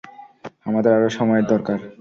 আমাদের আরো সময়ের দরকার।